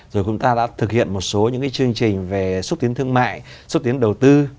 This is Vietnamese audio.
rồi chúng ta đã thực hiện một số những chương trình về xúc tiến thương mại xúc tiến đầu tư